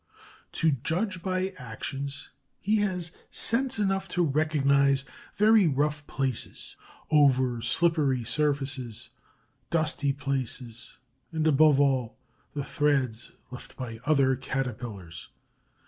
To judge by actions, he has sense enough to recognize very rough places, over slippery surfaces, dusty places, and, above all, the threads left by other Caterpillars.